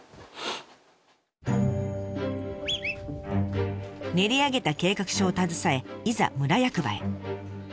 練り上げた計画書を携えいざ村役場へ。